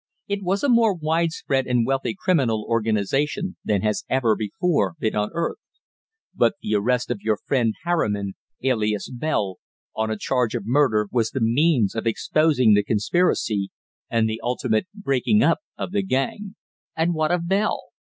It was a more widespread and wealthy criminal organization than has ever before been unearthed. But the arrest of your friend Harriman, alias Bell, on a charge of murder was the means of exposing the conspiracy, and the ultimate breaking up of the gang." "And what of Bell?"